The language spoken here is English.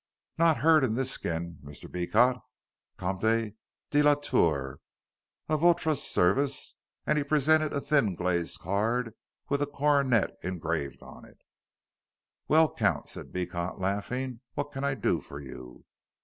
"Not Hurd in this skin, Mr. Beecot. Comte de la Tour, à votre service," and he presented a thin glazed card with a coronet engraved on it. "Well, Count," said Beecot, laughing, "what can I do for you?"